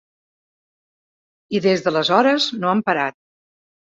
I des d’aleshores, no han parat.